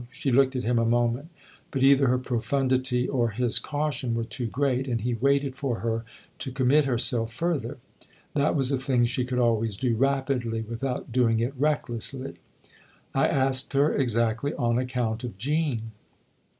She looked at him a moment; but either her profundity or his caution were too great, and he waited for her to commit herself further. That was a thing she could always do rapidly without doing it recklessly. " I asked her exactly on account of Jean."